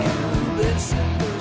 itu bang motor ya